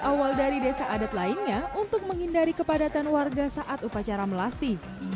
awal dari desa adat lainnya untuk menghindari kepadatan warga saat upacara melasti